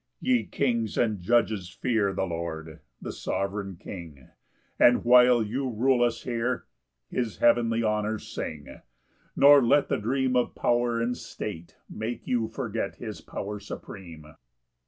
8 Ye kings and judges, fear The Lord, the sovereign King; And while you rule us here, His heavenly honours sing: Nor let the dream Of power and state Make you forget His power supreme.